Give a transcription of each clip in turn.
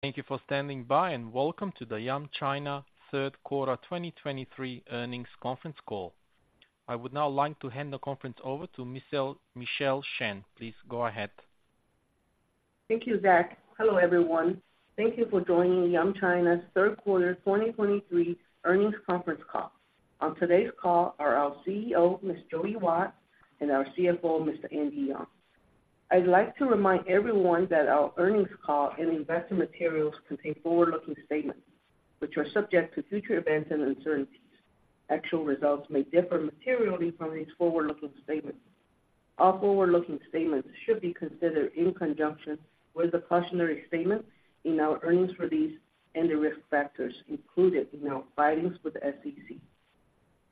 Thank you for standing by, and welcome to the Yum China third quarter 2023 earnings conference call. I would now like to hand the conference over to Michelle, Michelle Shen. Please go ahead. Thank you, Zach. Hello, everyone. Thank you for joining Yum China's third quarter 2023 earnings conference call. On today's call are our CEO, Ms. Joey Wat, and our CFO, Mr. Andy Yeung. I'd like to remind everyone that our earnings call and investor materials contain forward-looking statements, which are subject to future events and uncertainties. Actual results may differ materially from these forward-looking statements. All forward-looking statements should be considered in conjunction with the cautionary statements in our earnings release and the risk factors included in our filings with the SEC.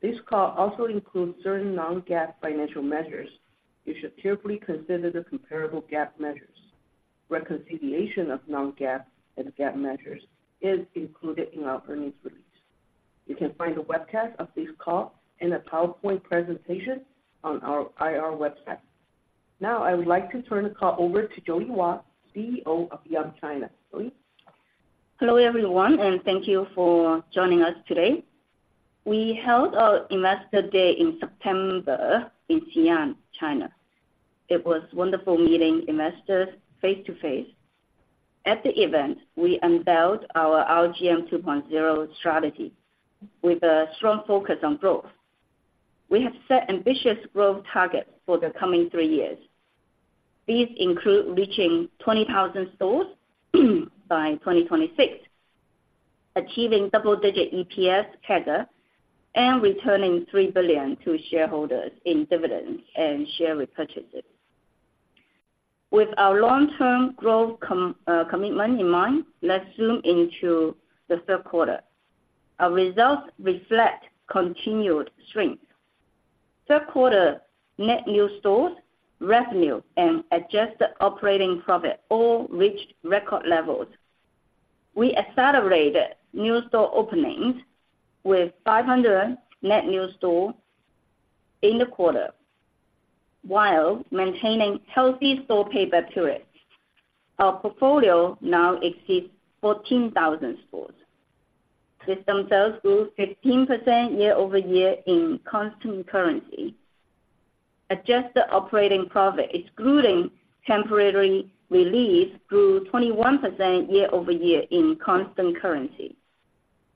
This call also includes certain non-GAAP financial measures. You should carefully consider the comparable GAAP measures. Reconciliation of non-GAAP and GAAP measures is included in our earnings release. You can find a webcast of this call and a PowerPoint presentation on our IR website. Now, I would like to turn the call over to Joey Wat, CEO of Yum China. Joey? Hello, everyone, and thank you for joining us today. We held our Investor Day in September in Xi'an, China. It was wonderful meeting investors face-to-face. At the event, we unveiled our RGM 2.0 strategy with a strong focus on growth. We have set ambitious growth targets for the coming three years. These include reaching 20,000 stores by 2026, achieving double-digit EPS CAGR, and returning $3 billion to shareholders in dividends and share repurchases. With our long-term growth commitment in mind, let's zoom into the third quarter. Our results reflect continued strength. Third quarter net new stores, revenue, and adjusted operating profit all reached record levels. We accelerated new store openings with 500 net new stores in the quarter, while maintaining healthy store pay-back periods. Our portfolio now exceeds 14,000 stores. System sales grew 15% year-over-year in constant currency. Adjusted operating profit, excluding temporary relief, grew 21% year-over-year in constant currency.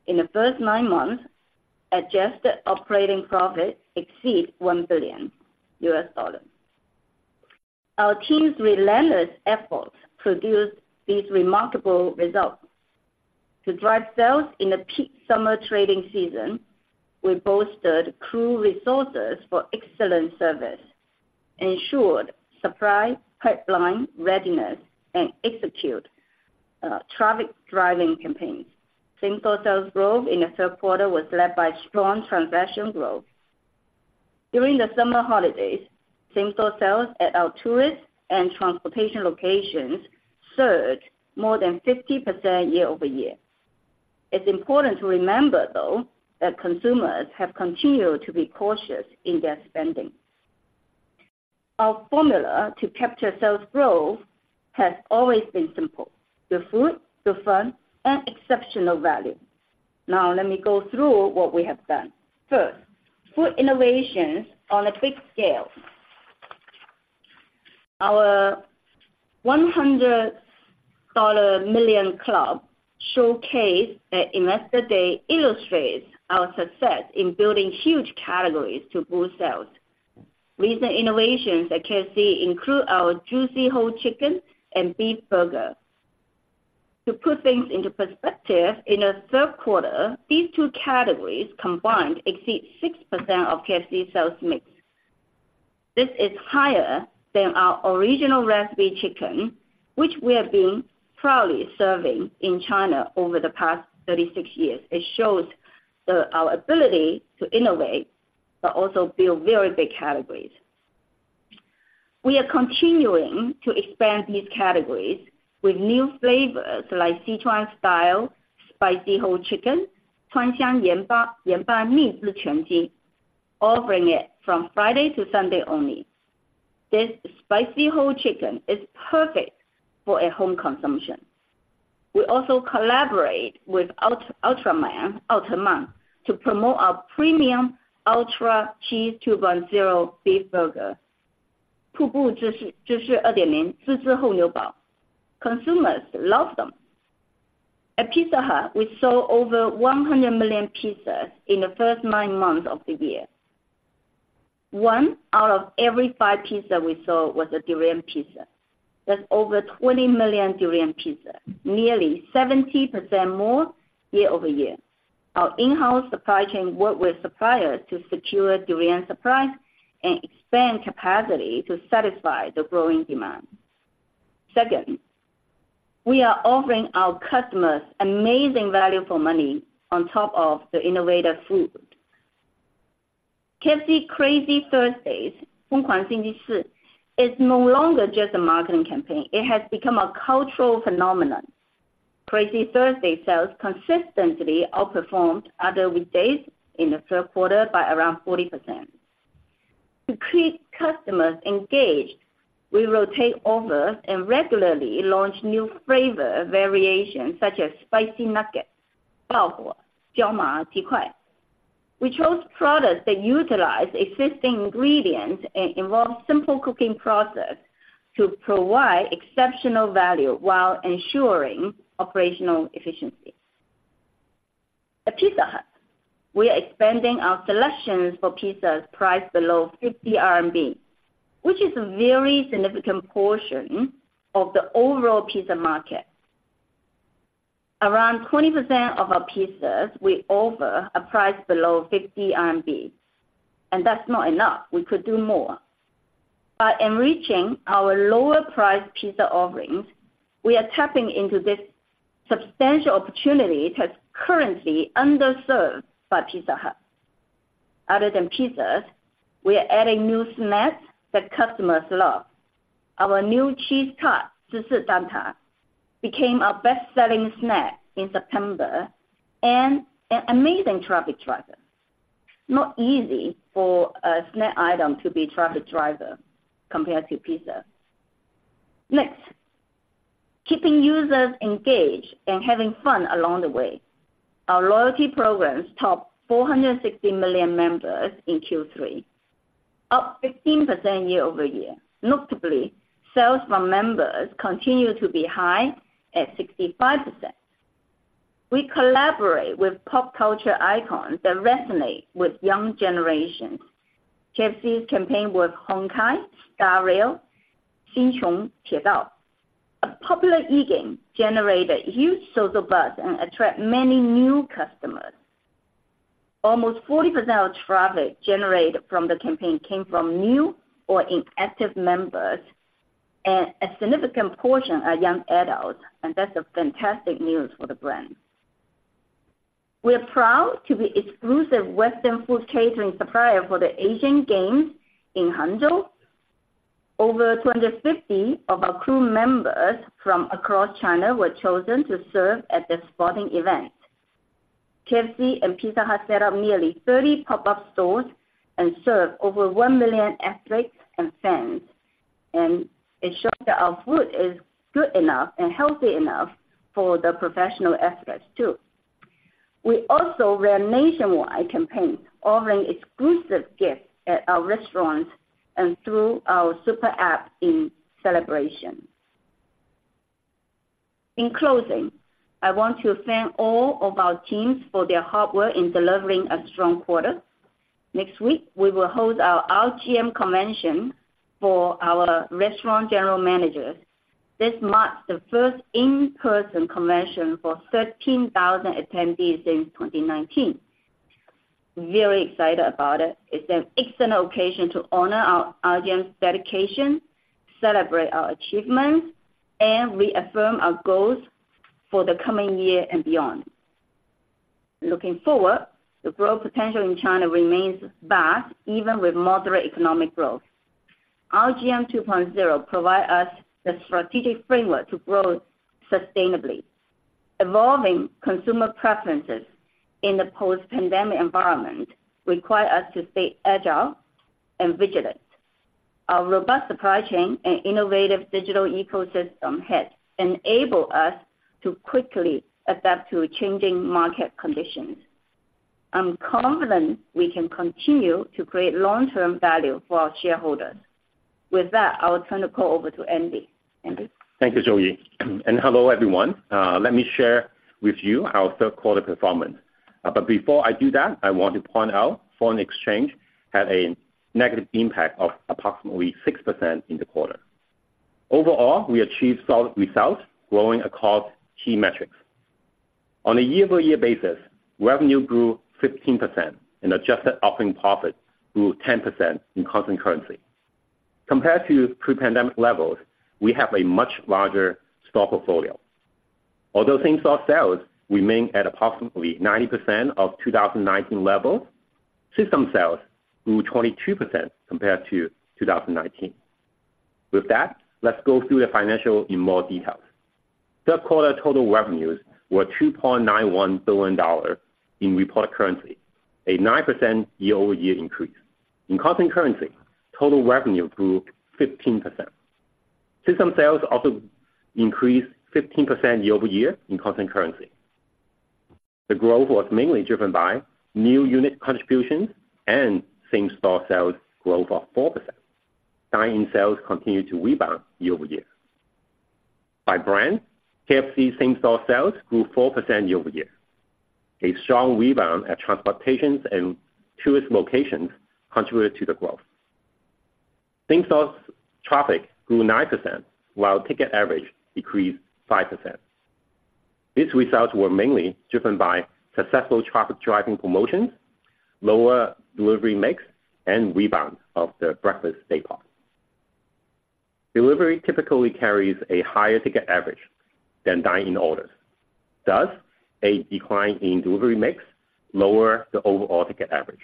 In the first nine months, adjusted operating profit exceeds $1 billion. Our team's relentless efforts produced these remarkable results. To drive sales in the peak summer trading season, we bolstered crew resources for excellent service, ensured supply pipeline readiness, and execute traffic-driving campaigns. Same-store sales growth in the third quarter was led by strong transaction growth. During the summer holidays, same-store sales at our tourist and transportation locations surged more than 50% year-over-year. It's important to remember, though, that consumers have continued to be cautious in their spending. Our formula to capture sales growth has always been simple: the food, the fun, and exceptional value. Now, let me go through what we have done. First, food innovations on a big scale. Our $100 million club showcase at Investor Day illustrates our success in building huge categories to boost sales. Recent innovations at KFC include our juicy whole chicken and beef burger. To put things into perspective, in the third quarter, these two categories combined exceed 6% of KFC sales mix. This is higher than our original recipe chicken, which we have been proudly serving in China over the past 36 years. It shows our ability to innovate, but also build very big categories. We are continuing to expand these categories with new flavors like Sichuan-style spicy whole chicken, Yanju Mizhi Quanji, offering it from Friday to Sunday only. This spicy whole chicken is perfect for at-home consumption. We also collaborate with Ultraman to promote our premium ultra cheese 2.0 beef burger. Consumers love them! At Pizza Hut, we sold over 100 million pizzas in the first nine months of the year. One out of every five pizza we sold was a durian pizza. That's over 20 million durian pizza, nearly 70% more year-over-year. Our in-house supply chain worked with suppliers to secure durian supply and expand capacity to satisfy the growing demand. Second, we are offering our customers amazing value for money on top of the innovative food. KFC Crazy Thursdays, Crazy Thursdays, is no longer just a marketing campaign. It has become a cultural phenomenon. Crazy Thursday sales consistently outperformed other weekdays in the third quarter by around 40%. To keep customers engaged, we rotate offers and regularly launch new flavor variations, such as spicy nuggets. We chose products that utilize existing ingredients and involve simple cooking process to provide exceptional value while ensuring operational efficiency. At Pizza Hut, we are expanding our selections for pizzas priced below 50 RMB, which is a very significant portion of the overall pizza market. Around 20% of our pizzas we offer are priced below 50 RMB, and that's not enough. We could do more. By enriching our lower-priced pizza offerings, we are tapping into this substantial opportunity that's currently underserved by Pizza Hut. Other than pizzas, we are adding new snacks that customers love. Our new cheese tart, 芝士蛋挞, became our best-selling snack in September and an amazing traffic driver. Not easy for a snack item to be a traffic driver compared to pizza. Next, keeping users engaged and having fun along the way. Our loyalty programs topped 460 million members in Q3, up 15% year-over-year. Notably, sales from members continue to be high at 65%. We collaborate with pop culture icons that resonate with young generations. KFC's campaign with Honkai: Star Rail, 星穹铁道, a popular e-game, generated huge social buzz and attract many new customers. Almost 40% of traffic generated from the campaign came from new or inactive members, and a significant portion are young adults, and that's a fantastic news for the brand. We are proud to be exclusive western food catering supplier for the Asian Games in Hangzhou. Over 250 of our crew members from across China were chosen to serve at this sporting event. KFC and Pizza Hut set up nearly 30 pop-up stores and served over one million athletes and fans, and it shows that our food is good enough and healthy enough for the professional athletes, too. We also ran nationwide campaign, offering exclusive gifts at our restaurants and through our super app in celebration. In closing, I want to thank all of our teams for their hard work in delivering a strong quarter. Next week, we will hold our RGM convention for our restaurant general managers. This marks the first in-person convention for 13,000 attendees since 2019. Very excited about it. It's an excellent occasion to honor our RGM's dedication, celebrate our achievements, and reaffirm our goals for the coming year and beyond. Looking forward, the growth potential in China remains vast, even with moderate economic growth. RGM 2.0 provide us the strategic framework to grow sustainably. Evolving consumer preferences in the post-pandemic environment require us to stay agile and vigilant. Our robust supply chain and innovative digital ecosystem has enabled us to quickly adapt to changing market conditions. I'm confident we can continue to create long-term value for our shareholders. With that, I will turn the call over to Andy. Andy? Thank you, Joey, and hello, everyone. Let me share with you our third quarter performance. But before I do that, I want to point out foreign exchange had a negative impact of approximately 6% in the quarter. Overall, we achieved solid results, growing across key metrics. On a year-over-year basis, revenue grew 15%, and adjusted operating profit grew 10% in constant currency. Compared to pre-pandemic levels, we have a much larger store portfolio. Although same-store sales remain at approximately 90% of 2019 levels, system sales grew 22% compared to 2019. With that, let's go through the financial in more details. Third quarter total revenues were $2.91 billion in reported currency, a 9% year-over-year increase. In constant currency, total revenue grew 15%. System sales also increased 15% year-over-year in constant currency. The growth was mainly driven by new unit contributions and same-store sales growth of 4%. Dine-in sales continued to rebound year-over-year. By brand, KFC same-store sales grew 4% year-over-year. A strong rebound at transportations and tourist locations contributed to the growth. Same-store traffic grew 9%, while ticket average decreased 5%. These results were mainly driven by successful traffic-driving promotions, lower delivery mix, and rebound of the breakfast daypart. Delivery typically carries a higher ticket average than dine-in orders. Thus, a decline in delivery mix lower the overall ticket average.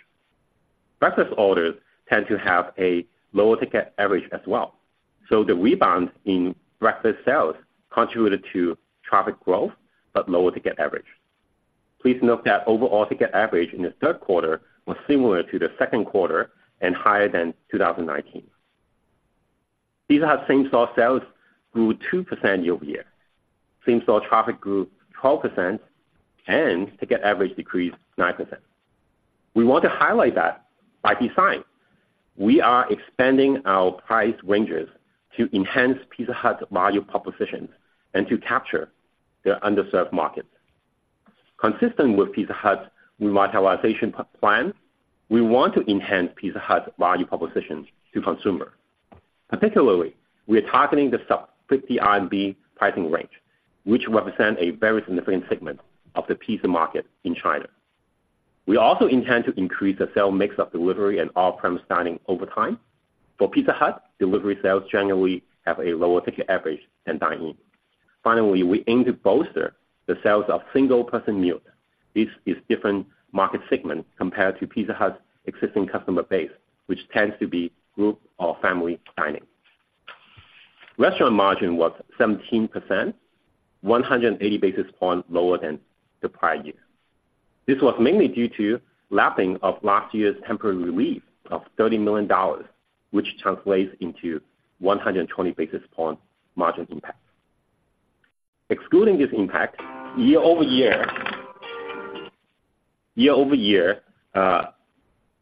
Breakfast orders tend to have a lower ticket average as well, so the rebound in breakfast sales contributed to traffic growth, but lower ticket average. Please note that overall ticket average in the third quarter was similar to the second quarter and higher than 2019. Pizza Hut same-store sales grew 2% year-over-year. Same-store traffic grew 12%, and ticket average decreased 9%. We want to highlight that by design, we are expanding our price ranges to enhance Pizza Hut's value propositions and to capture the underserved markets. Consistent with Pizza Hut's revitalization plan, we want to enhance Pizza Hut's value propositions to consumer. Particularly, we are targeting the sub CNY 50 pricing range, which represent a very significant segment of the pizza market in China. We also intend to increase the sale mix of delivery and off-premise dining over time. For Pizza Hut, delivery sales generally have a lower ticket average than dine-in. Finally, we aim to bolster the sales of single-person meal. This is different market segment compared to Pizza Hut's existing customer base, which tends to be group or family dining. Restaurant margin was 17%, 180 basis points lower than the prior year. This was mainly due to lapping of last year's temporary relief of $30 million, which translates into 120 basis point margin impact. Excluding this impact, year-over-year, year-over-year,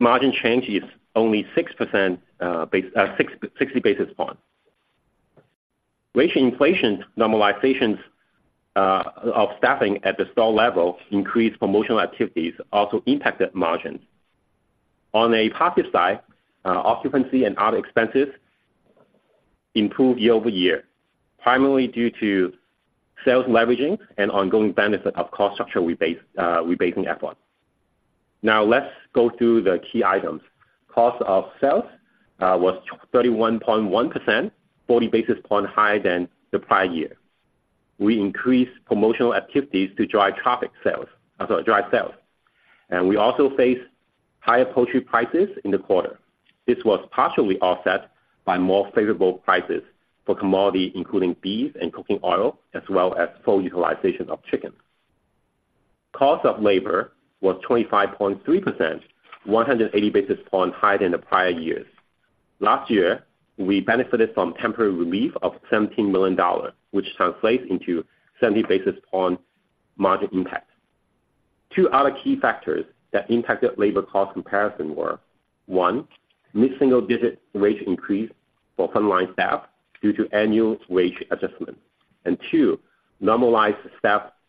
margin change is only 60 basis points. Wage inflation, normalizations of staffing at the store level, increased promotional activities also impacted margins. On a positive side, occupancy and other expenses improved year-over-year, primarily due to sales leveraging and ongoing benefit of cost structure rebase, rebasing efforts. Now, let's go through the key items. Cost of sales was 31.1%, 40 basis points higher than the prior year. We increased promotional activities to drive traffic sales, sorry, drive sales, and we also faced higher poultry prices in the quarter. This was partially offset by more favorable prices for commodities, including beef and cooking oil, as well as full utilization of chicken. Cost of labor was 25.3%, 180 basis points higher than the prior years. Last year, we benefited from temporary relief of $17 million, which translates into 70 basis points margin impact. Two other key factors that impacted labor cost comparison were, one, mid-single digit wage increase for frontline staff due to annual wage adjustment. And two, normalized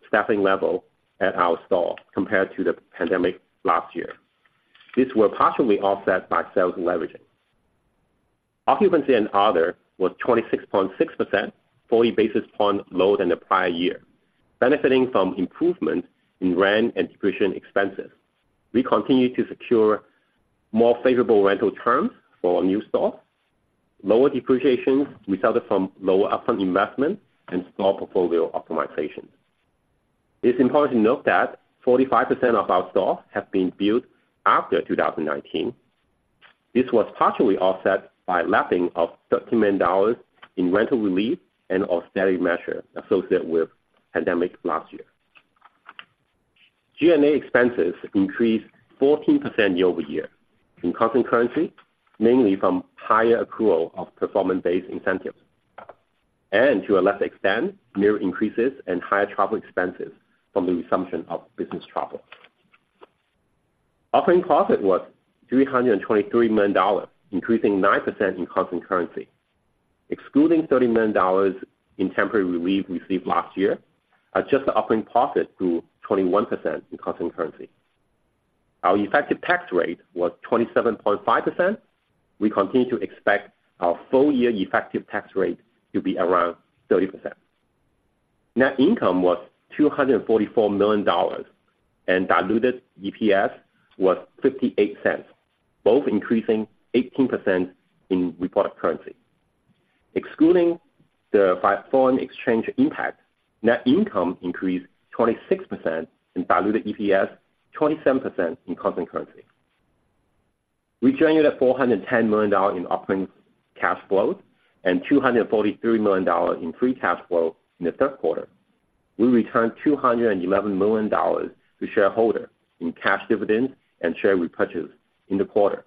staffing level at our store compared to the pandemic last year. These were partially offset by sales leveraging. Occupancy and other was 26.6%, 40 basis points lower than the prior year, benefiting from improvement in rent and depreciation expenses. We continue to secure more favorable rental terms for our new stores, lower depreciation resulted from lower upfront investment and store portfolio optimization. It's important to note that 45% of our stores have been built after 2019. This was partially offset by lapping of $13 million in rental relief and austerity measure associated with pandemic last year. G&A expenses increased 14% year-over-year, in constant currency, mainly from higher accrual of performance-based incentives, and to a lesser extent, wage increases and higher travel expenses from the resumption of business travel. Operating profit was $323 million, increasing 9% in constant currency. Excluding $30 million in temporary relief received last year, adjusted operating profit grew 21% in constant currency. Our effective tax rate was 27.5%. We continue to expect our full-year effective tax rate to be around 30%. Net income was $244 million, and diluted EPS was $0.58, both increasing 18% in reported currency. Excluding the FX impact, net income increased 26%, and diluted EPS, 27% in constant currency. We generated $410 million in operating cash flow and $243 million in free cash flow in the third quarter. We returned $211 million to shareholders in cash dividends and share repurchases in the quarter,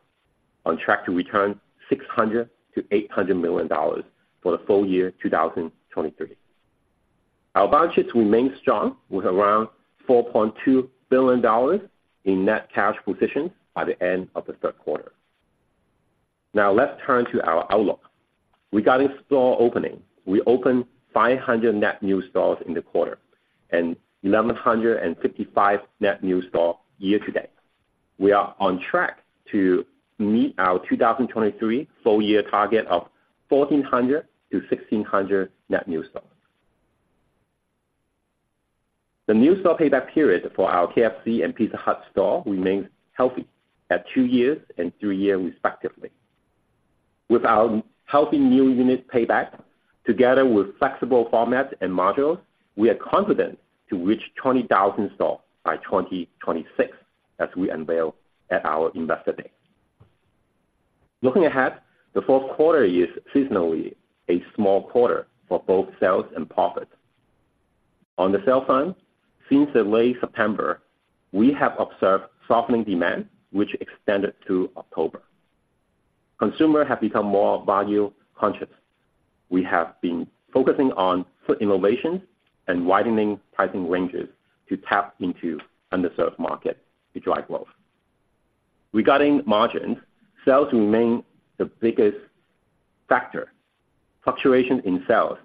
on track to return $600 million-$800 million for the full year 2023. Our balance sheet remains strong, with around $4.2 billion in net cash position by the end of the third quarter. Now, let's turn to our outlook. Regarding store opening, we opened 500 net new stores in the quarter, and 1,155 net new stores year to date. We are on track to meet our 2023 full year target of 1,400-1,600 net new stores. The new store payback period for our KFC and Pizza Hut store remains healthy, at two years and three years respectively. With our healthy new unit payback, together with flexible format and modules, we are confident to reach 20,000 stores by 2026, as we unveiled at our Investor Day. Looking ahead, the fourth quarter is seasonally a small quarter for both sales and profits. On the sales side, since the late September, we have observed softening demand, which extended to October. Consumers have become more value conscious. We have been focusing on food innovation and widening pricing ranges to tap into underserved market to drive growth. Regarding margins, sales remain the biggest factor. Fluctuation in sales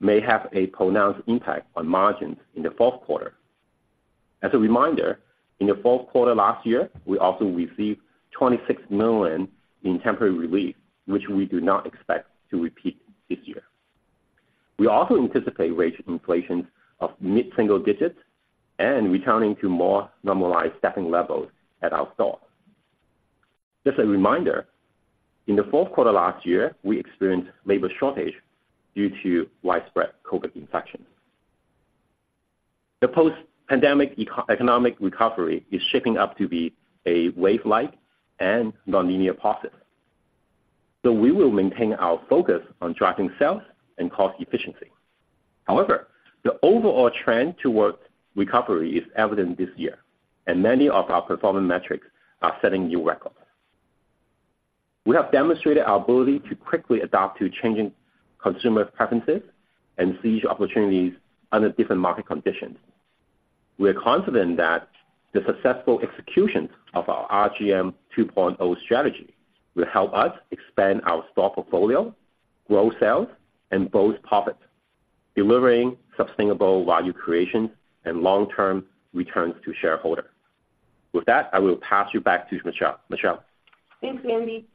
may have a pronounced impact on margins in the fourth quarter. As a reminder, in the fourth quarter last year, we also received $26 million in temporary relief, which we do not expect to repeat this year. We also anticipate wage inflation of mid-single digits and returning to more normalized staffing levels at our stores. Just a reminder, in the fourth quarter last year, we experienced labor shortage due to widespread COVID infections. The post-pandemic economic recovery is shaping up to be a wave-like and non-linear process. So we will maintain our focus on driving sales and cost efficiency. However, the overall trend towards recovery is evident this year, and many of our performance metrics are setting new records. We have demonstrated our ability to quickly adapt to changing consumer preferences and seize opportunities under different market conditions. We are confident that the successful execution of our RGM 2.0 strategy will help us expand our store portfolio, grow sales, and both profits, delivering sustainable value creation and long-term returns to shareholders. With that, I will pass you back to Michelle. Michelle? Thanks, Andy.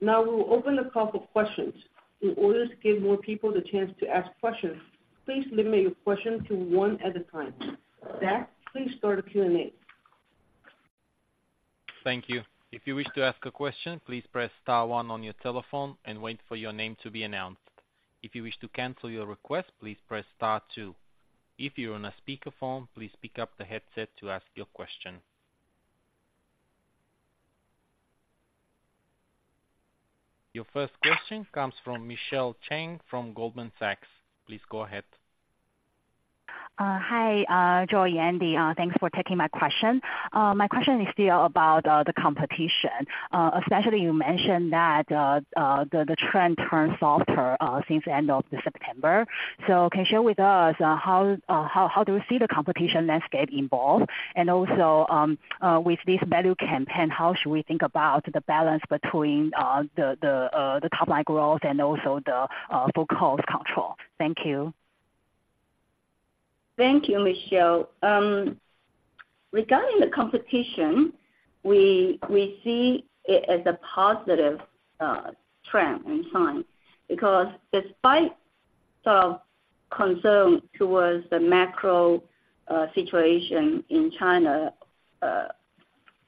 Now we will open the call for questions. In order to give more people the chance to ask questions, please limit your questions to one at a time. Zach, please start the Q&A. Thank you. If you wish to ask a question, please press star one on your telephone and wait for your name to be announced. If you wish to cancel your request, please press star two. If you're on a speakerphone, please pick up the headset to ask your question. Your first question comes from Michelle Cheng from Goldman Sachs. Please go ahead. Hi, Joey, Andy, thanks for taking my question. My question is still about the competition. Especially you mentioned that the trend turned softer since the end of September. So can you share with us how do you see the competition landscape involved? And also, with this value campaign, how should we think about the balance between the top-line growth and also the full cost control? Thank you. Thank you, Michelle. Regarding the competition, we see it as a positive trend and sign, because despite sort of concern towards the macro situation in China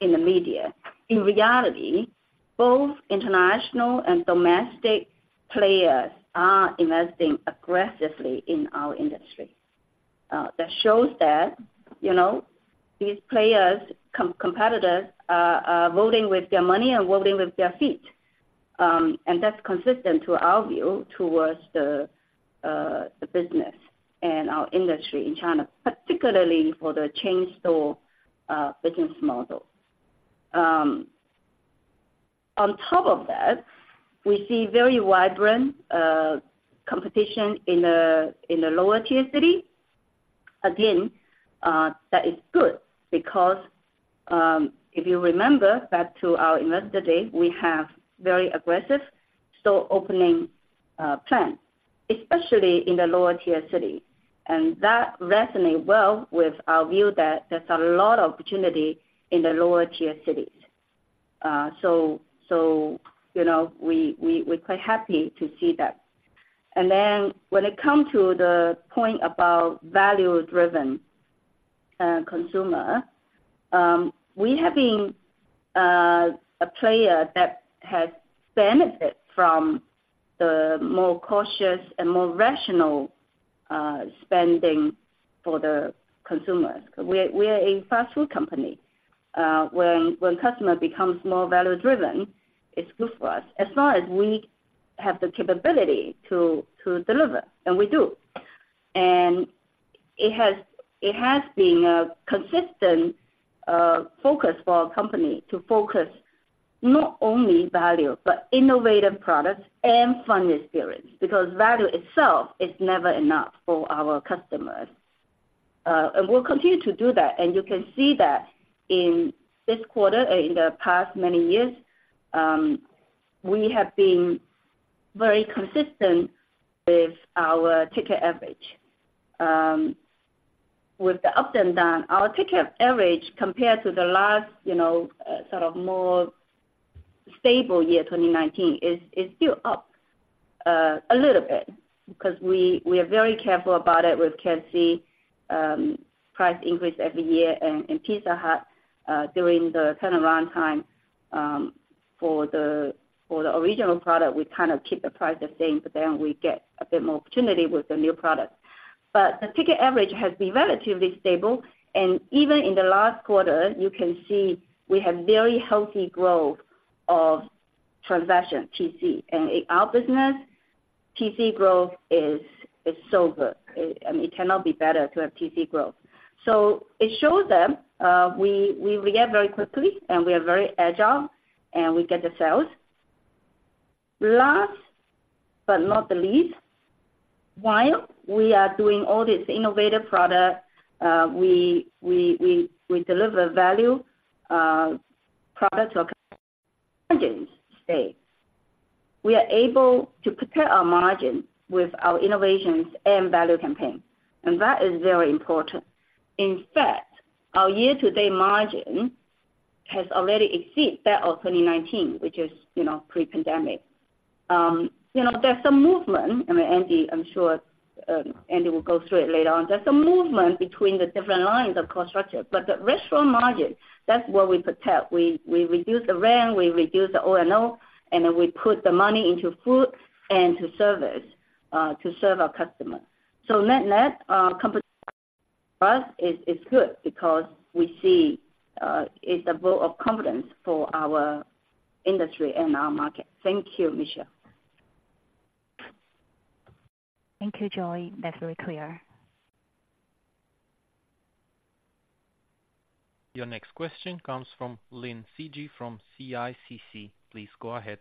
in the media, in reality, both international and domestic players are investing aggressively in our industry. That shows that, you know, these players, competitors, are voting with their money and voting with their feet. And that's consistent to our view towards the business and our industry in China, particularly for the chain store business model. On top of that, we see very vibrant competition in the lower tier city. Again, that is good, because if you remember back to our Investor Day, we have very aggressive store opening plan, especially in the lower tier city. And that resonate well with our view that there's a lot of opportunity in the lower tier cities. So, you know, we're quite happy to see that. And then when it come to the point about value-driven consumer, we have been a player that has benefit from the more cautious and more rational spending for the consumers. We're a fast food company. When customer becomes more value driven, it's good for us, as long as we have the capability to deliver, and we do. And it has been a consistent focus for our company to focus not only value, but innovative products and fun experience, because value itself is never enough for our customers. And we'll continue to do that, and you can see that in this quarter, in the past many years, we have been very consistent with our ticket average. With the ups and down, our ticket average compared to the last, you know, sort of more stable year, 2019, is still up a little bit, because we are very careful about it with KFC, price increase every year and Pizza Hut, during the turnaround time, for the original product, we kind of keep the price the same, but then we get a bit more opportunity with the new product. But the ticket average has been relatively stable, and even in the last quarter, you can see we have very healthy growth of transaction TC. In our business, TC growth is so good, and it cannot be better to have TC growth. So it shows them we react very quickly, and we are very agile, and we get the sales. Last but not the least, while we are doing all this innovative product, we deliver value products or state. We are able to protect our margin with our innovations and value campaign, and that is very important. In fact, our year-to-date margin has already exceeded that of 2019, which is, you know, pre-pandemic. You know, there's some movement, and Andy, I'm sure, Andy will go through it later on. There's a movement between the different lines of cost structure, but the restaurant margin, that's where we protect. We, we reduce the rent, we reduce the O&O, and then we put the money into food and to service to serve our customers. So net-net, competition for us is good because we see it's a vote of confidence for our industry and our market. Thank you, Michelle. Thank you, Joey. That's very clear. Your next question comes from Lin Sijie from CICC. Please go ahead.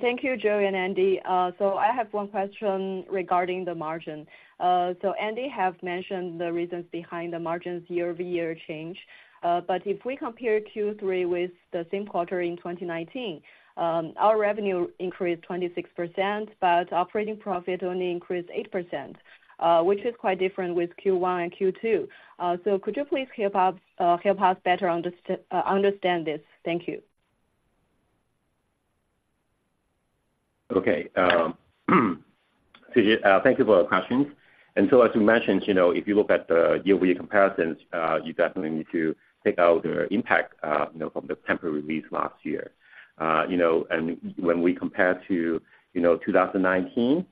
Thank you, Joey and Andy. So I have one question regarding the margin. So Andy have mentioned the reasons behind the margins year-over-year change. But if we compare Q3 with the same quarter in 2019, our revenue increased 26%, but operating profit only increased 8%, which is quite different with Q1 and Q2. So could you please help us help us better understand this? Thank you. Okay. Sijie, thank you for your questions. And so, as you mentioned, you know, if you look at the year-over-year comparisons, you definitely need to take out the impact, you know, from the temporary lease last year. And when we compare to 2019, you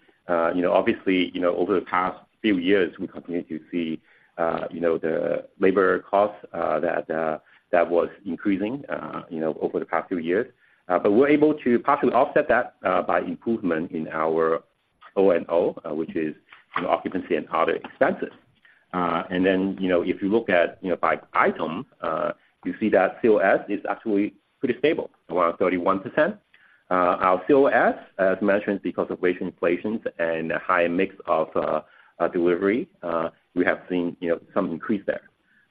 know, obviously, you know, over the past few years, we continue to see, you know, the labor costs that was increasing, you know, over the past few years. But we're able to partially offset that by improvement in our O&O, which is, you know, occupancy and other expenses. And then, you know, if you look at, you know, by item, you see that COS is actually pretty stable, around 31%. Our COS, as mentioned, because of wage inflations and a high mix of delivery, we have seen, you know, some increase there.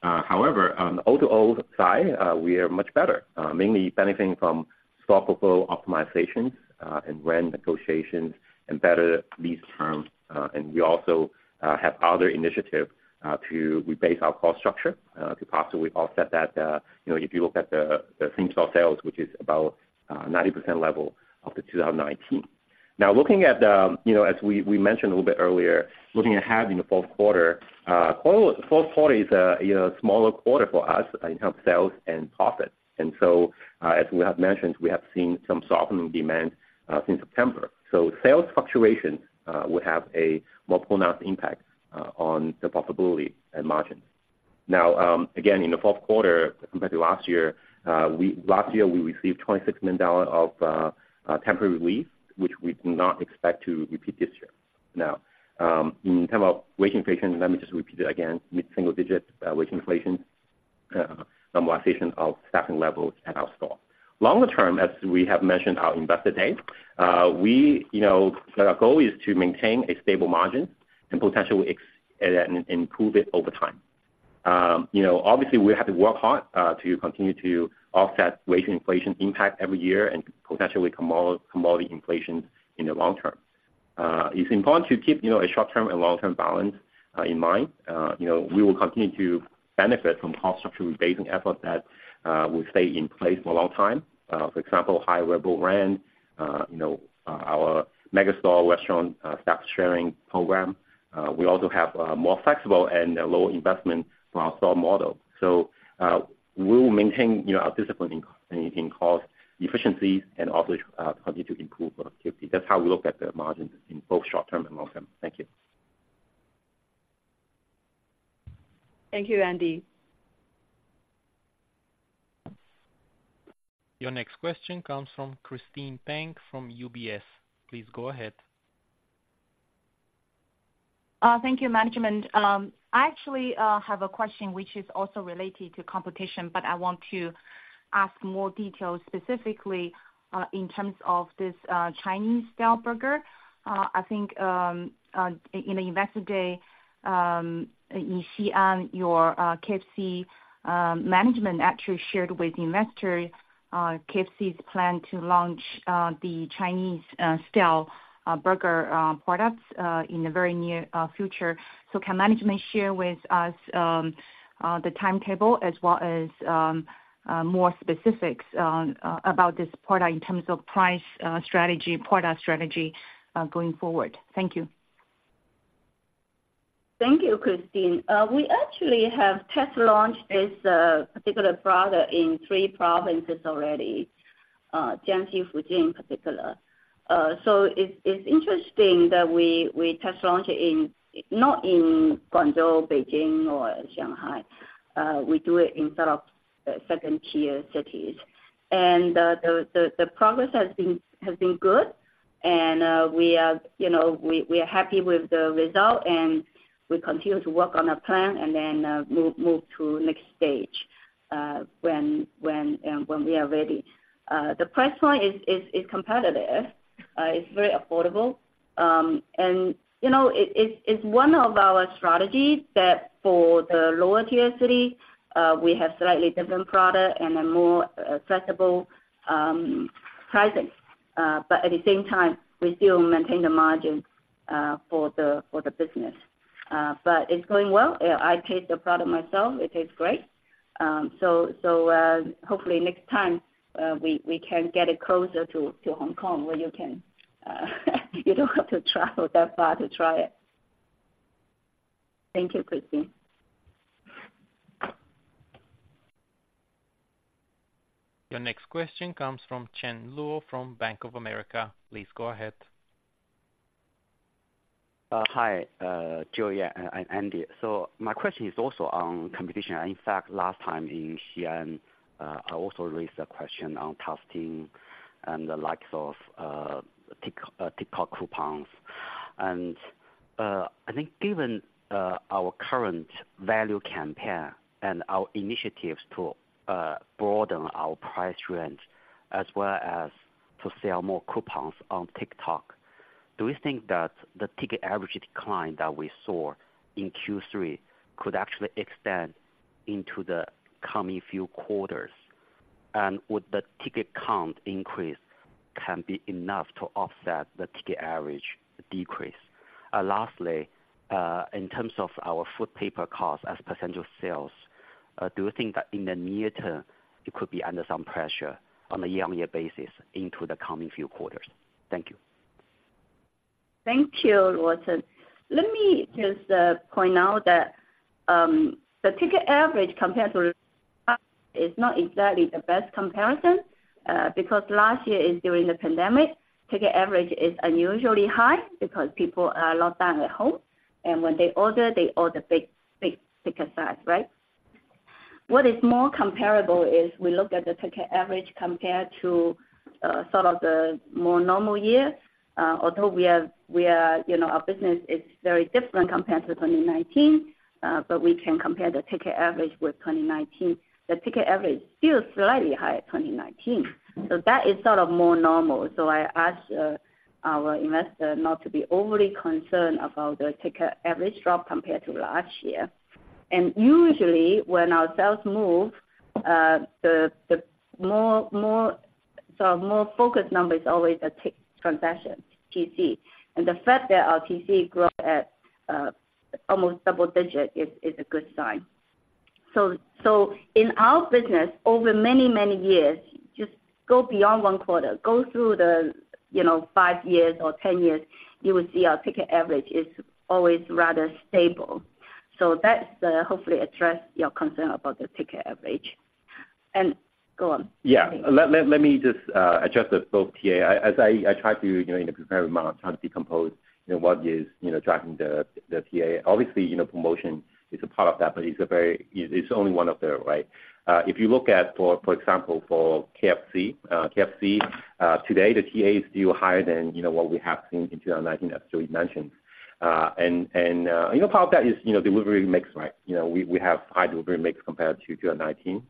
However, on the O&O side, we are much better, mainly benefiting from store portfolio optimizations, and rent negotiations and better lease terms. And we also have other initiative to rebase our cost structure to possibly offset that. You know, if you look at the same-store sales, which is about 90% level of 2019. Now, looking at the, you know, as we mentioned a little bit earlier, looking ahead in the fourth quarter, fourth quarter is a smaller quarter for us in terms of sales and profit. And so, as we have mentioned, we have seen some softening demand since September. So sales fluctuations will have a multiple amount of impact on the profitability and margin. Now, again, in the fourth quarter, compared to last year, last year, we received $26 million of temporary relief, which we do not expect to repeat this year. Now, in term of wage inflation, let me just repeat it again, mid-single digit wage inflation, normalization of staffing levels at our store. Longer term, as we have mentioned, our Investor Day, we, you know, our goal is to maintain a stable margin and potentially improve it over time. You know, obviously, we have to work hard to continue to offset wage inflation impact every year and potentially commodity inflation in the long term. It's important to keep, you know, a short-term and long-term balance in mind. You know, we will continue to benefit from cost structure, raising efforts that will stay in place for a long time. For example, high-level rent, you know, our mega store restaurant staff sharing program. We also have more flexible and a lower investment for our store model. So, we'll maintain, you know, our discipline in cost efficiencies and also continue to improve our KFC. That's how we look at the margin in both short term and long term. Thank you. Thank you, Andy. Your next question comes from Christine Peng from UBS. Please go ahead. Thank you, management. I actually have a question which is also related to competition, but I want to ask more details specifically in terms of this Chinese-style burger. I think in the Investor Day, Yum China, your KFC management actually shared with investors KFC's plan to launch the Chinese-style burger products in the very near future. So can management share with us the timetable as well as more specifics about this product in terms of price strategy, product strategy going forward? Thank you. Thank you, Christine. We actually have test launched this particular product in three provinces already, Jiangxi, Fujian in particular. So it's interesting that we test launched it in, not in Guangzhou, Beijing, or Shanghai. We do it in sort of second tier cities. The progress has been good, and we are, you know, we are happy with the result, and we continue to work on a plan, and then move to next stage when we are ready. The price point is competitive, it's very affordable. You know, it's one of our strategies that for the lower tier city, we have slightly different product and a more affordable pricing. But at the same time, we still maintain the margin for the business. But it's going well. I taste the product myself. It tastes great. So, hopefully next time, we can get it closer to Hong Kong, where you can, you don't have to travel that far to try it. Thank you, Christine. Your next question comes from Chen Luo from Bank of America. Please go ahead. Hi, Joey and Andy. So my question is also on competition. In fact, last time in Xi'an, I also raised a question on testing and the likes of TikTok coupons. And, I think given our current value campaign and our initiatives to broaden our price range, as well as to sell more coupons on TikTok, do we think that the ticket average decline that we saw in Q3 could actually extend into the coming few quarters? And would the ticket count increase can be enough to offset the ticket average decrease? Lastly, in terms of our food paper cost as a percentage of sales, do you think that in the near term, it could be under some pressure on a year-on-year basis into the coming few quarters? Thank you. Thank you, Chen. Let me just point out that the ticket average compared to is not exactly the best comparison because last year is during the pandemic, ticket average is unusually high because people are locked down at home, and when they order, they order big, big, bigger size, right? What is more comparable is we look at the ticket average compared to sort of the more normal year. Although we are, you know, our business is very different compared to 2019, but we can compare the ticket average with 2019. The ticket average is still slightly higher than 2019, so that is sort of more normal. So I ask our investor not to be overly concerned about the ticket average drop compared to last year. Usually, when our sales move, the more focused number is always a ticket transaction, TC. And the fact that our TC grew at almost double-digit is a good sign. So, in our business, over many, many years, just go beyond one quarter, go through the, you know, five years or 10 years, you will see our ticket average is always rather stable. So that's, hopefully address your concern about the ticket average. And go on. Yeah. Let me just address both TA. As I try to, you know, in a prepared amount, try to decompose, you know, what is, you know, driving the TA. Obviously, you know, promotion is a part of that, but it's only one of them, right? If you look at, for example, for KFC, today, the TA is still higher than, you know, what we have seen in 2019, as Joey mentioned. And, you know, part of that is, you know, delivery mix, right? You know, we have high delivery mix compared to 2019.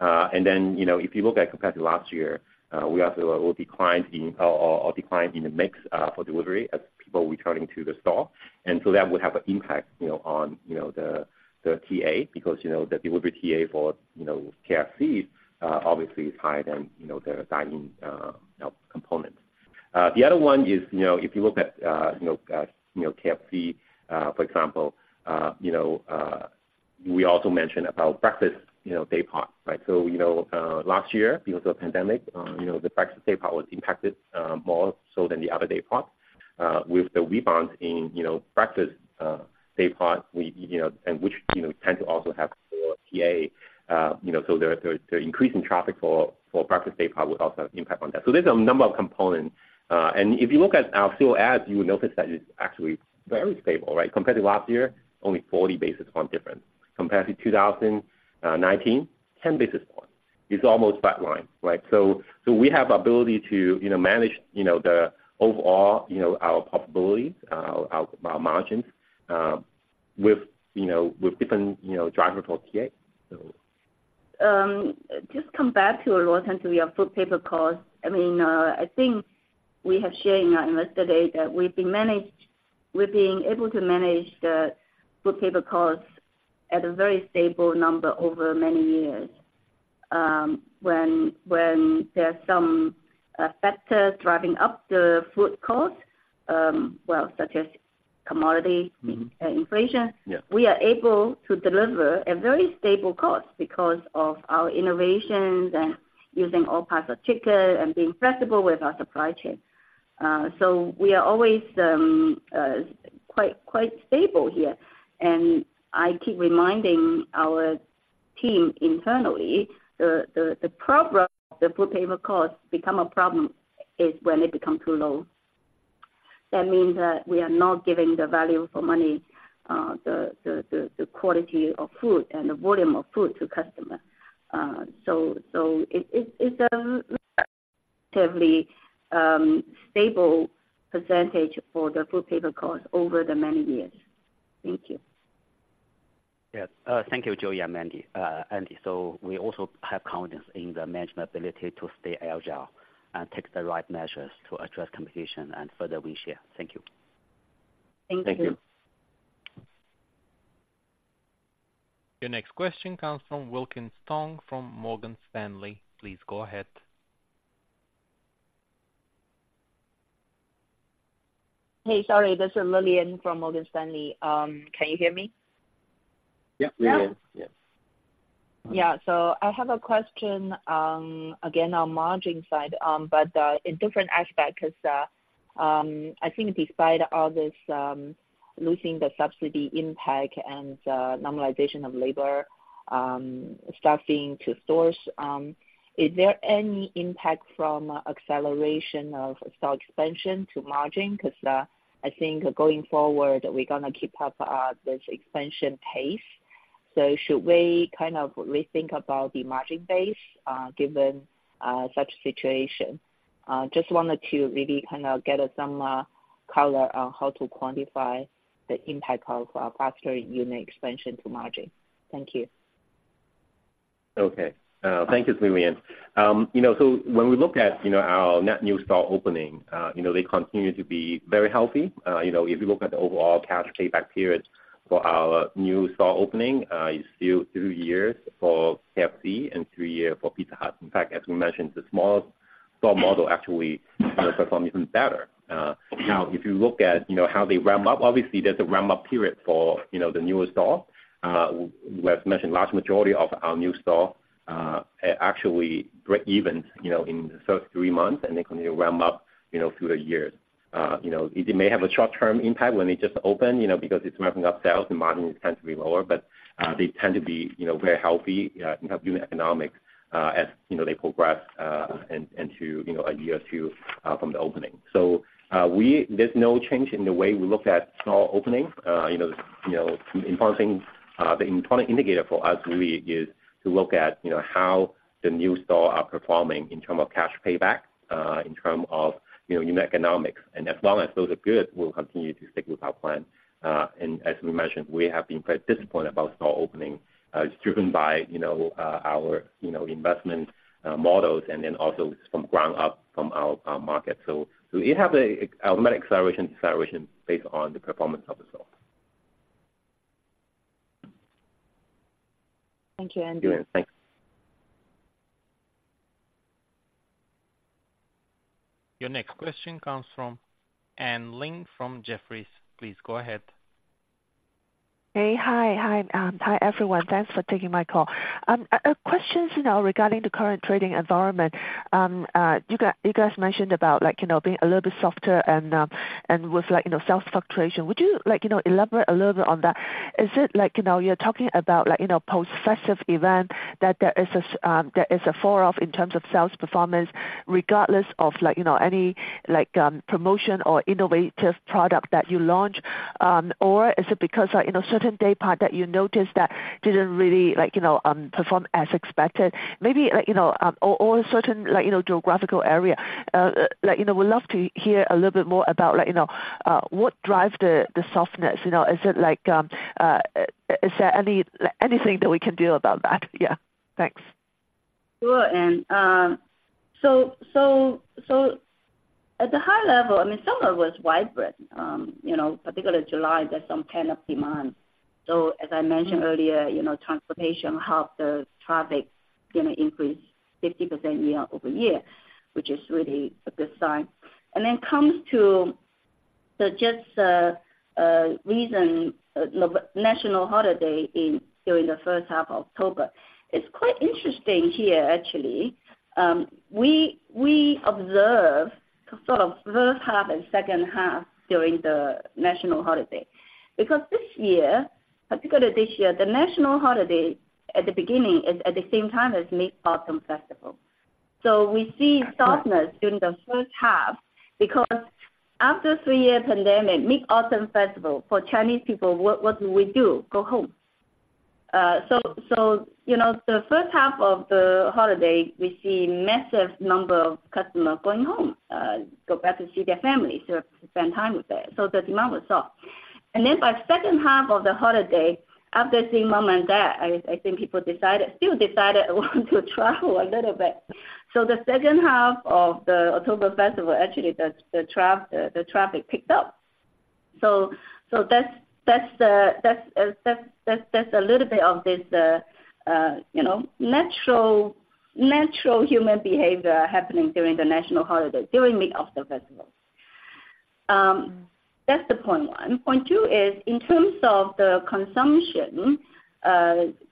And then, you know, if you look at compared to last year, we also will declined in the mix for delivery as people returning to the store. And so that would have an impact, you know, on the TA, because the delivery TA for KFC obviously is higher than the dine-in component. The other one is, you know, if you look at KFC, for example, you know, we also mentioned about breakfast day part, right? So, you know, last year, because of the pandemic, the breakfast day part was impacted more so than the other day part. With the rebound in breakfast day part, we, you know, and which tend to also have more TA, you know, so the increase in traffic for breakfast day part will also have impact on that. So there's a number of components. And if you look at our fuel ads, you will notice that it's actually very stable, right? Compared to last year, only 40 basis points different. Compared to 2019, 10 basis points. It's almost flat line, right? So we have ability to, you know, manage, you know, the overall, you know, our profitability, our margins, with, you know, with different, you know, driver for TA. Just come back to your return to your food and paper costs. I mean, I think we have shared in our investor day that we're being able to manage the food and paper costs at a very stable number over many years. When there are some factors driving up the food cost, well, such as commodity, inflation. Yeah. We are able to deliver a very stable cost because of our innovations and using all parts of ticket and being flexible with our supply chain. So we are always quite stable here. And I keep reminding our team internally, the problem, the food paper costs become a problem is when it become too low. That means that we are not giving the value for money, the quality of food and the volume of food to customer. So it, it's a terribly stable percentage for the food paper cost over the many years. Thank you. Yes. Thank you, Julia and Andy. So we also have confidence in the management ability to stay agile and take the right measures to address competition, and further we share. Thank you. Thank you. Thank you. Your next question comes from Wilkins Tong, from Morgan Stanley. Please go ahead. Hey, sorry. This is Lillian from Morgan Stanley. Can you hear me? Yep. Yeah. Yes. Yeah. So I have a question, again, on margin side, but in different aspect, because I think despite all this, losing the subsidy impact and normalization of labor staffing to stores, is there any impact from acceleration of store expansion to margin? Because I think going forward, we're gonna keep up this expansion pace. So should we kind of rethink about the margin base, given such situation? Just wanted to really kind of get some color on how to quantify the impact of faster unit expansion to margin. Thank you. Okay. Thank you, Lillian. You know, so when we look at, you know, our net new store opening, you know, they continue to be very healthy. You know, if you look at the overall cash payback periods for our new store opening, it's still two years for KFC and three years for Pizza Hut. In fact, as we mentioned, the small store model actually perform even better. Now, if you look at, you know, how they ramp up, obviously there's a ramp-up period for, you know, the newer store. We've mentioned large majority of our new store actually break even, you know, in the first three months, and they continue to ramp up, you know, through the years. You know, it may have a short-term impact when they just open, you know, because it's ramping up sales and margin tends to be lower, but, they tend to be, you know, very healthy, in terms of unit economics, as, you know, they progress, into, you know, a year or two, from the opening. So, there's no change in the way we look at store opening. You know, you know, important thing, the important indicator for us really is to look at, you know, how the new store are performing in term of cash payback, in term of, you know, unit economics. And as long as those are good, we'll continue to stick with our plan. And as we mentioned, we have been quite disciplined about store opening. It's driven by, you know, our, you know, investment models, and then also from ground up from our market. So we have a automatic acceleration based on the performance of the store. Thank you, Andy. Thanks. Your next question comes from Anne Ling from Jefferies. Please go ahead. Hey. Hi, hi, hi, everyone. Thanks for taking my call. Questions, you know, regarding the current trading environment. You guys mentioned about, like, you know, being a little bit softer and with, like, you know, sales fluctuation. Would you like, you know, elaborate a little bit on that? Is it like, you know, you're talking about like, you know, post-festival event that there is a fall-off in terms of sales performance, regardless of like, you know, any like, promotion or innovative product that you launch? Or is it because, like, you know, certain day part that you noticed that didn't really like, you know, perform as expected? Maybe like, you know, or certain like, you know, geographical area. Like, you know, would love to hear a little bit more about like, you know, what drives the softness, you know? Is it like, is there anything that we can do about that? Yeah. Thanks. Sure, Anne. So at the high level, I mean, summer was vibrant. You know, particularly July, there's some pent-up demand. So as I mentioned earlier, you know, transportation helped the traffic, you know, increase 50% year-over-year, which is really a good sign. And then comes to the just recent national holiday in during the first half of October. It's quite interesting here, actually. We observe sort of first half and second half during the national holiday. Because this year, particularly this year, the national holiday at the beginning is at the same time as Mid-Autumn Festival. So we see softness during the first half, because after three-year pandemic, Mid-Autumn Festival, for Chinese people, what do we do? Go home. So, you know, the first half of the holiday, we see massive number of customers going home, go back to see their families, to spend time with them. So the demand was soft. And then by second half of the holiday, after seeing mom and dad, I think people decided, still decided want to travel a little bit. So the second half of the October festival, actually the traffic picked up. So that's a little bit of this, you know, natural human behavior happening during the national holiday, during Mid-Autumn Festival. That's the point one. Point two is, in terms of the consumption,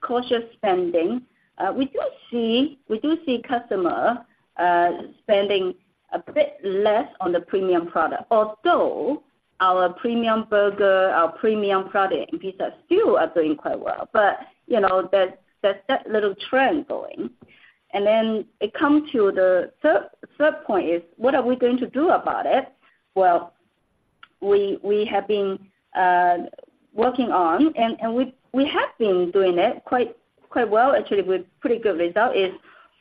cautious spending, we do see customer spending a bit less on the premium product. Although our premium burger, our premium product in pizza still are doing quite well. But, you know, there's that little trend going. And then it comes to the third point is, what are we going to do about it? Well, we have been working on, and we have been doing it quite well, actually, with pretty good result, is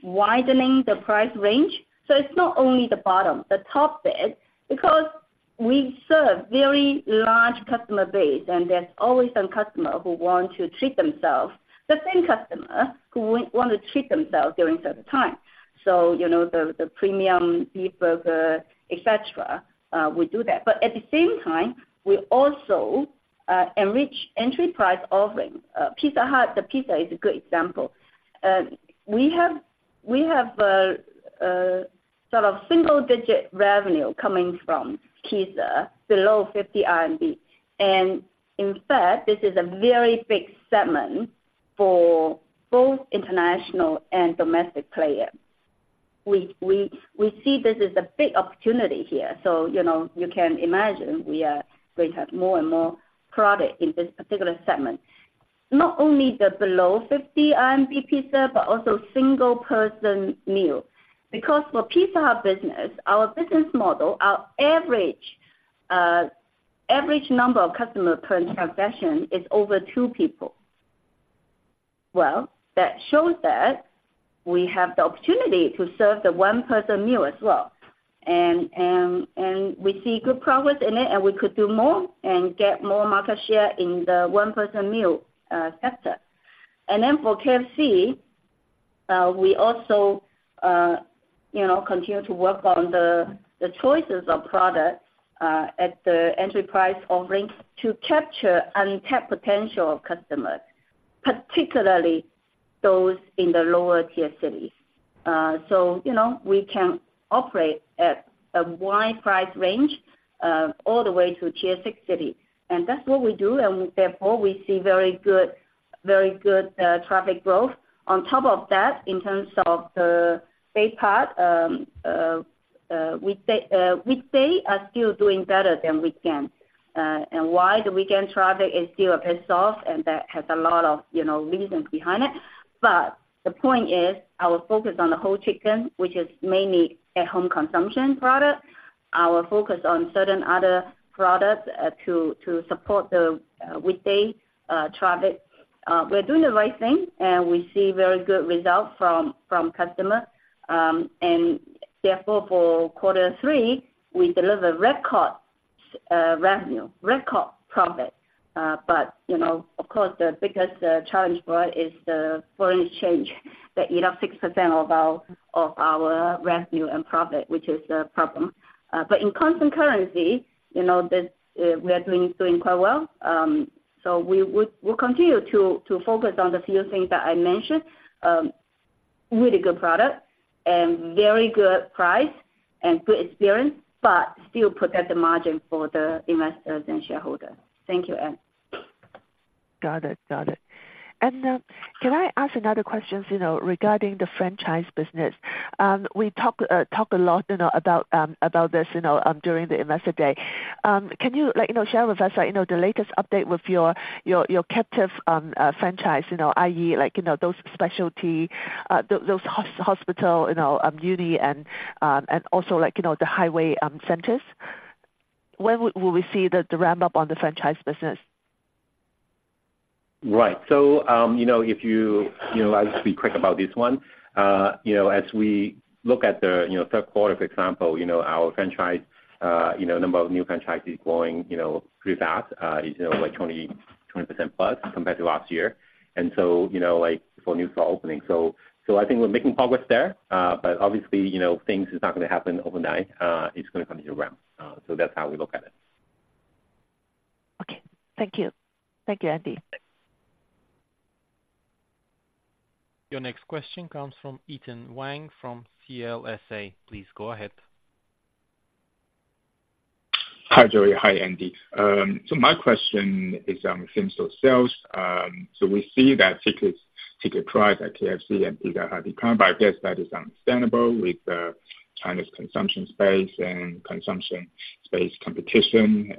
widening the price range. So it's not only the bottom, the top bit, because we serve very large customer base, and there's always some customer who want to treat themselves, the same customer who want to treat themselves during certain time. So, you know, the premium beef burger, et cetera, we do that. But at the same time, we also enrich entry price offering. Pizza Hut, the pizza is a good example. We have a sort of single digit revenue coming from pizza below 50 RMB. And in fact, this is a very big segment for both international and domestic players. We see this as a big opportunity here. So, you know, you can imagine we are going to have more and more product in this particular segment. Not only the below 50 RMB pizza, but also single person meal. Because for Pizza Hut business, our business model, our average, average number of customer per transaction is over two people. Well, that shows that we have the opportunity to serve the one person meal as well. And we see good progress in it, and we could do more and get more market share in the one person meal sector. And then for KFC, we also, you know, continue to work on the choices of products at the entry price offerings to capture untapped potential customers, particularly those in the lower tier cities. So, you know, we can operate at a wide price range all the way to tier six city. And that's what we do, and therefore, we see very good, very good traffic growth. On top of that, in terms of the day part, weekday, weekdays are still doing better than weekends. And why the weekend traffic is still a bit soft, and that has a lot of, you know, reasons behind it. But the point is, our focus on the whole chicken, which is mainly at home consumption product, our focus on certain other products to support the weekday traffic. We're doing the right thing, and we see very good results from, from customers. And therefore, for quarter three, we delivered record revenue, record profit. But, you know, of course, the biggest challenge for us is the foreign exchange, that eat up 6% of our, of our revenue and profit, which is a problem. But in constant currency, you know, that's we are doing, doing quite well. So we, we, we'll continue to, to focus on the few things that I mentioned. Really good product and very good price and good experience, but still protect the margin for the investors and shareholders. Thank you, Anne. Got it. Got it. And can I ask another questions, you know, regarding the franchise business? We talked, talked a lot, you know, about, about this, you know, during the Investor Day. Can you like, you know, share with us, like, you know, the latest update with your captive, franchise, you know, i.e., like, you know, those specialty, those hospital, you know, uni and, and also, like, you know, the highway, centers. When will we see the ramp-up on the franchise business? Right. So, you know, if you, you know, I'll just be quick about this one. You know, as we look at the, you know, third quarter, for example, you know, our franchise, you know, number of new franchises growing, you know, pretty fast, is, you know, like 20%+ compared to last year. And so, you know, like, for new store opening. So I think we're making progress there. But obviously, you know, things is not gonna happen overnight, it's gonna come to ground. So that's how we look at it. Okay. Thank you. Thank you, Andy. Your next question comes from Ethan Wang from CLSA. Please go ahead. Hi, Joey. Hi, Andy. So my question is on same-store sales. So we see that tickets, ticket price at KFC and Pizza Hut decline, but I guess that is understandable with China's consumption space and consumption space competition.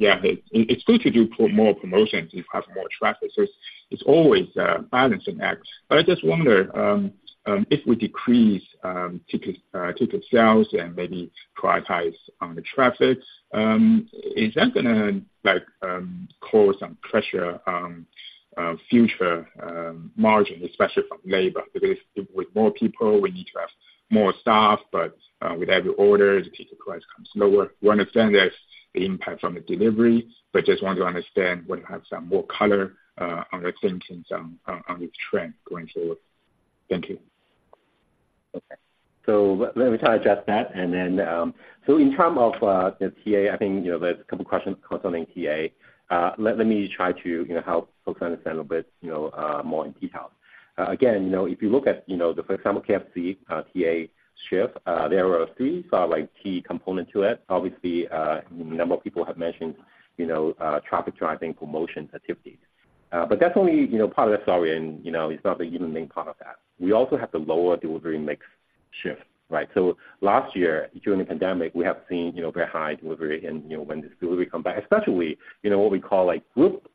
Yeah, it, it's good to do more promotions and have more traffic. It's, it's always a balancing act. But I just wonder, if we decrease, ticket, ticket sales and maybe prioritize on the traffic, is that gonna, like, cause some pressure on, on future, margin, especially from labor? Because with more people, we need to have more staff, but, with every order, the ticket price comes lower. We understand there's the impact from the delivery, but just wanted to understand, want to have some more color, on your thinking some, on, on this trend going forward. Thank you. Okay. So let me try to address that, and then, so in terms of the TA, I think, you know, there's a couple questions concerning TA. Let me try to, you know, help folks understand a bit, you know, more in detail. Again, you know, if you look at, you know, the, for example, KFC TA shift, there are three sort of like key component to it. Obviously, number of people have mentioned, you know, traffic driving promotion activities. But that's only, you know, part of the story and, you know, it's not even the main part of that. We also have the lower delivery mix shift, right? So last year, during the pandemic, we have seen, you know, very high delivery and, you know, when this delivery come back, especially, you know, what we call like group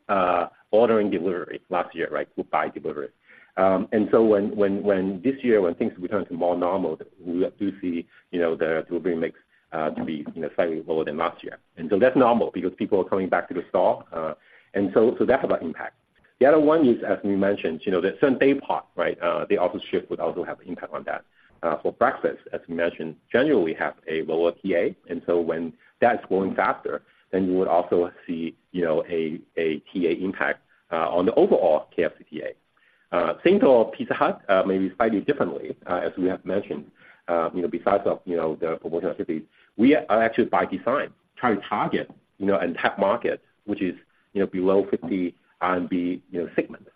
ordering delivery last year, right? Group buy delivery. And so when this year, when things return to more normal, we do see, you know, the delivery mix to be, you know, slightly lower than last year. And so that's normal because people are coming back to the store. And so that's about impact. The other one is, as we mentioned, you know, the same daypart, right? The shift would also have impact on that. For breakfast, as we mentioned, generally we have a lower TA, and so when that's growing faster, then you would also see, you know, a TA impact on the overall KFC TA. Same for Pizza Hut, maybe slightly differently, as we have mentioned, you know, besides of, you know, the promotional activities, we are actually by design, trying to target, you know, and tap market, which is, you know, below 50 RMB, you know, segment,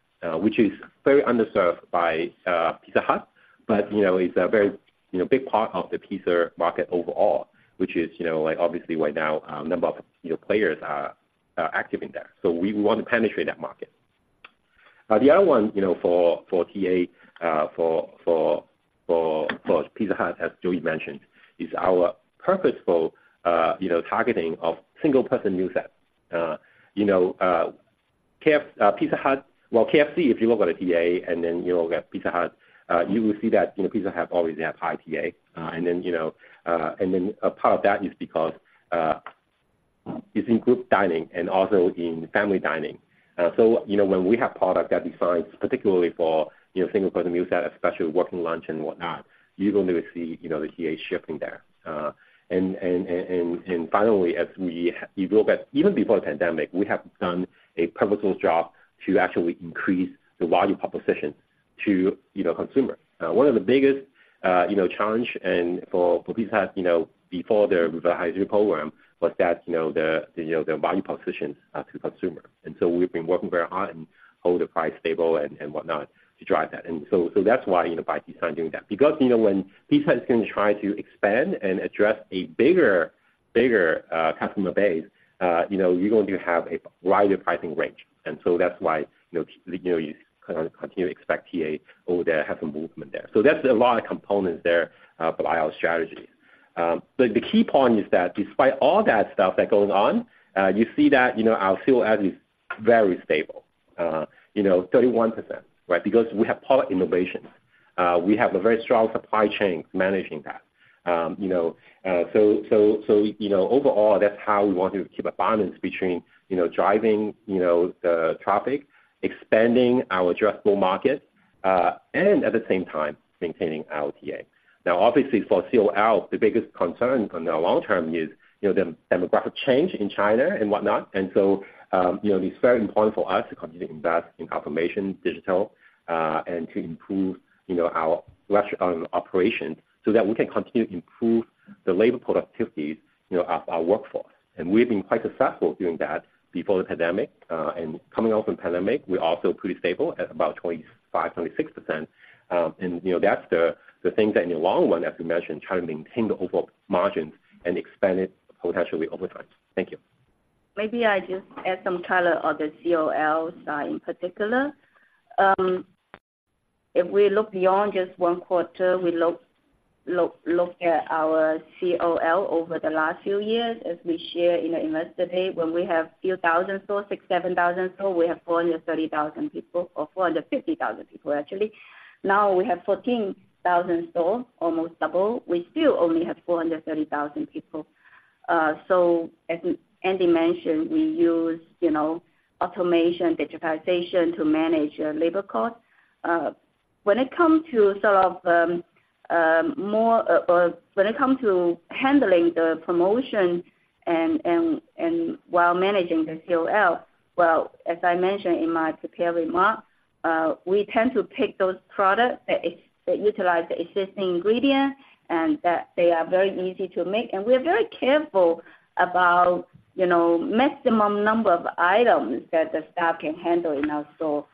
which is very underserved by Pizza Hut. But, you know, it's a very, you know, big part of the pizza market overall, which is, you know, like obviously right now, number of, you know, players are active in there. So we want to penetrate that market. The other one, you know, for TA, for Pizza Hut, as Joey mentioned, is our purposeful, you know, targeting of single person new set. You know, Pizza Hut, well, KFC, if you look at a TA, and then you look at Pizza Hut, you will see that, you know, Pizza Hut always have high TA. And then, you know, and then a part of that is because it's in group dining and also in family dining. So, you know, when we have product that defines particularly for, you know, single person meal set, especially working lunch and whatnot, you're going to see, you know, the TA shifting there. And finally, as we, you look at even before the pandemic, we have done a purposeful job to actually increase the value proposition to, you know, consumer. One of the biggest, you know, challenge and for Pizza Hut, you know, before their hybrid program, was that you got, you know, the, you know, their value propositions to consumer. And so we've been working very hard and hold the price stable and whatnot to drive that. And so that's why, you know, by design doing that. Because, you know, when Pizza Hut is going to try to expand and address a bigger, bigger customer base, you know, you're going to have a wider pricing range. And so that's why, you know, you know, you kind of continue to expect TA over there, have some movement there. So that's a lot of components there by our strategy. But the key point is that despite all that stuff that goes on, you see that, you know, our COL is very stable, you know, 31%, right? Because we have product innovation. We have a very strong supply chain managing that. You know, overall, that's how we want to keep a balance between, you know, driving, you know, the traffic, expanding our addressable market, and at the same time, maintaining our TA. Now, obviously for COL, the biggest concern on the long term is, you know, the demographic change in China and whatnot. And so, you know, it's very important for us to continue to invest in automation, digital, and to improve, you know, our restaurant operation, so that we can continue to improve the labor productivities, you know, of our workforce. We've been quite successful doing that before the pandemic. And coming out from the pandemic, we're also pretty stable at about 25%-26%. And, you know, that's the things that in the long run, as we mentioned, trying to maintain the overall margins and expand it potentially over time. Thank you. Maybe I just add some color on the COL side in particular. If we look beyond just one quarter, we look at our COL over the last few years, as we share in our investor day, when we have few thousand stores, 6,000-7,000 stores, we have 430,000 people, or 450,000 people actually. Now, we have 14,000 stores, almost double. We still only have 430,000 people. So as Andy mentioned, we use, you know, automation, digitization to manage labor costs. When it comes to handling the promotion and while managing the COL, well, as I mentioned in my prepared remark, we tend to pick those products that utilize the existing ingredients and that they are very easy to make. And we're very careful about, you know, maximum number of items that the staff can handle in our store.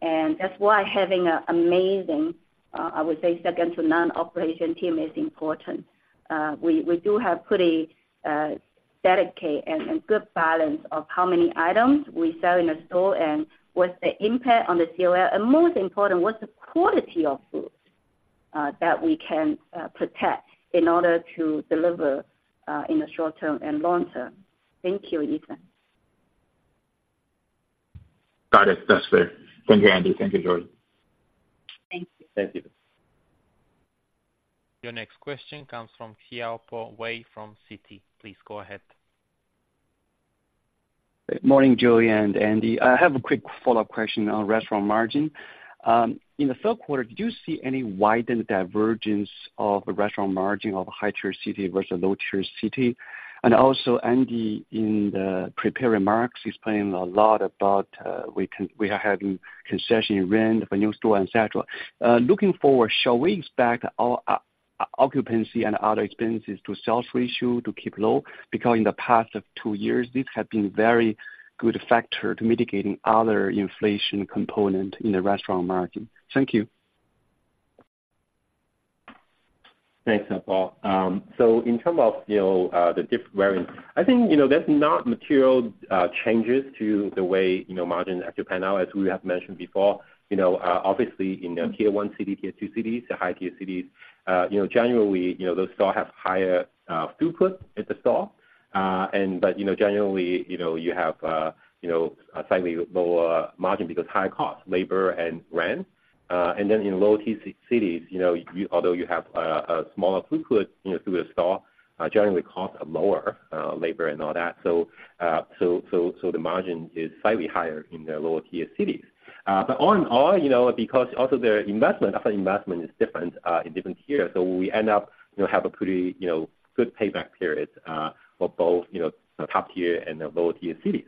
And that's why having an amazing, I would say, second to none operation team is important. We do have pretty dedicated and good balance of how many items we sell in a store and what's the impact on the COL, and most important, what's the quality of foods that we can protect in order to deliver in the short term and long term. Thank you, Ethan. Got it. That's fair. Thank you, Andy. Thank you, Joey. Thank you. Thank you. Your next question comes from Xiaopo Wei from Citi. Please go ahead. Morning, Joey and Andy. I have a quick follow-up question on restaurant margin. In the third quarter, did you see any widened divergence of the restaurant margin of high-tier city versus low-tier city? And also, Andy, in the prepared remarks, you explained a lot about, we are having concession rent for new store, et cetera. Looking forward, shall we expect our, occupancy and other expenses to sales ratio to keep low? Because in the past of two years, this has been very good factor to mitigating other inflation component in the restaurant market. Thank you. Thanks, Xiaopo. So in terms of, you know, the different variants, I think, you know, that's not material changes to the way, you know, margin pattern, as we have mentioned before. You know, obviously, in the Tier One cities, Tier Two cities, the high-tier cities, you know, generally, you know, those stores have higher throughput at the store. And but, you know, generally, you know, you have, you know, a slightly lower margin because higher costs, labor and rent. And then in low-tier cities, you know, although you have a smaller throughput through a store, generally costs are lower, labor and all that. So the margin is slightly higher in the lower-tier cities. But all in all, you know, because also their investment, upfront investment is different, in different tiers, so we end up, you know, have a pretty, you know, good payback period, for both, you know, the top-tier and the lower-tier cities.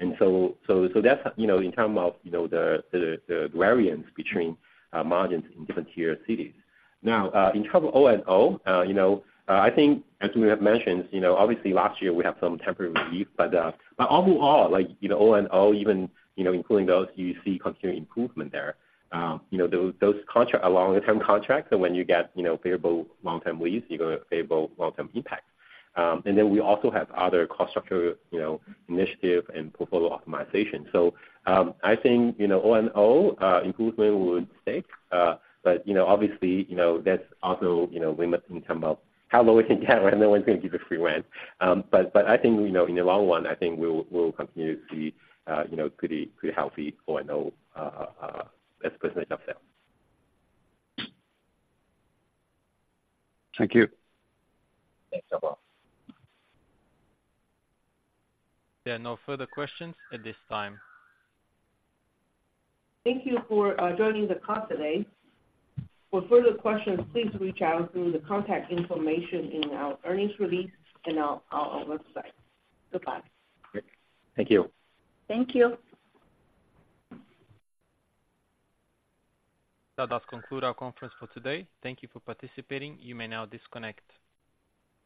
And so that's, you know, in terms of, you know, the variance between, margins in different tier cities. Now, in terms of O&O, you know, I think as we have mentioned, you know, obviously last year we had some temporary relief, but, but overall, like, you know, O&O even, you know, including those, you see continued improvement there. You know, those contracts are longer term contracts, and when you get, you know, favorable long-term lease, you get a favorable long-term impact. And then we also have other cost structure, you know, initiative and portfolio optimization. So, I think, you know, O&O improvement would stay. But, you know, obviously, you know, that's also, you know, limited in terms of how low it can get, right? No one's going to give you free rent. But, but I think, you know, in the long run, I think we'll, we'll continue to see, you know, pretty, pretty healthy O&O as a percentage of sales. Thank you. Thanks, Paul. There are no further questions at this time. Thank you for joining the call today. For further questions, please reach out through the contact information in our earnings release and on our website. Goodbye. Great. Thank you. Thank you. That does conclude our conference for today. Thank you for participating. You may now disconnect.